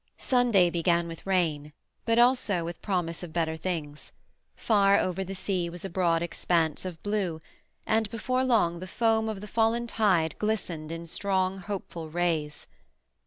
Sunday began with rain, but also with promise of better things; far over the sea was a broad expanse of blue, and before long the foam of the fallen tide glistened in strong, hopeful rays.